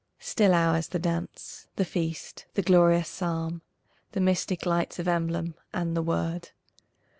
Still ours the dance, the feast, the glorious Psalm, The mystic lights of emblem, and the Word.